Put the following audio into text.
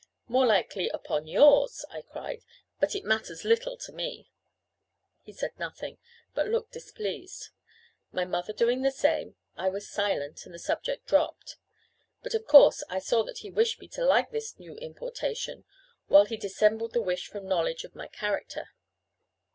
"More likely upon yours," I cried; "but it matters little to me." He said nothing, but looked displeased; my mother doing the same, I was silent, and the subject dropped. But of course I saw that he wished me to like his new importation, while he dissembled the wish from knowledge of my character.